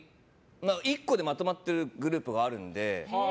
１個でまとまってるグループがあるんで。